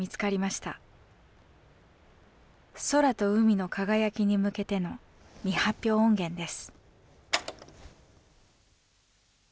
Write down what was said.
「空と海の輝きに向けて」の未発表音源です。